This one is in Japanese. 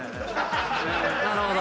なるほどね。